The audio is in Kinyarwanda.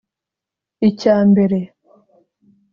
Icyambere